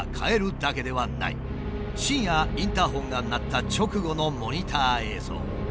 深夜インターホンが鳴った直後のモニター映像。